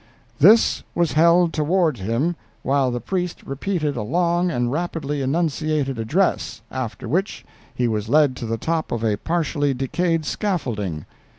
"This was held toward him while the priest repeated a long and rapidly enunciated address, after which he was led to the top of a partially decayed scaffolding.